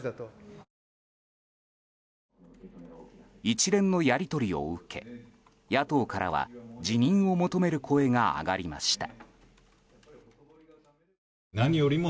一連のやり取りを受け野党からは辞任を求める声が上がりました。